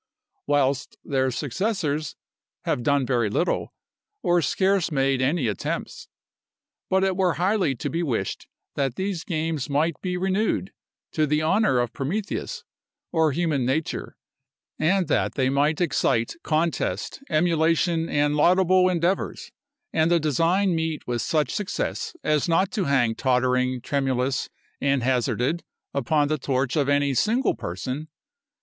whilst their successors have done very little, or scarce made any attempts. But it were highly to be wished that these games might be renewed, to the honor of Prometheus, or human nature, and that they might excite contest, emulation, and laudable endeavors, and the design meet with such success as not to hang tottering, tremulous, and hazarded, upon the torch of any single person.